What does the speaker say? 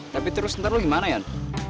tapi terus ntar lu gimana ian